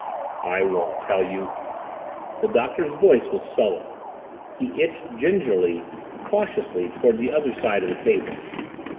"I won't tell you!" The Doctor's voice was sullen. He inched, gingerly, cautiously, toward the other side of the table.